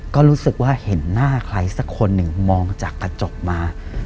ก็รู้สึกว่าเห็นหน้าใครสักคนหนึ่งมองจากกระจกมา